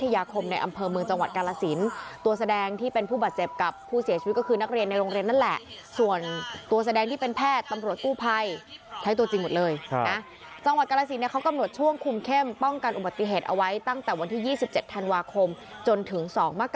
ให้ตัวจริงหมดเลยค่ะช่วงคุมเข้มป้องกันอุบัติเหตุเอาไว้ตั้งแต่วันที่ยี่สิบเจ็ดธันวาคมจนถึง๒